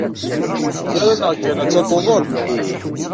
Gar-aneɣ kan, attan tuḍen.